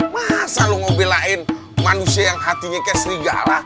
masa lu ngobelain manusia yang hatinya kayak serigala